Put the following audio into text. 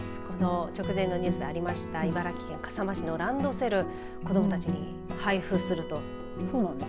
直前のニュースでありました茨城県笠間市のランドセル子どもたちに配布するということで。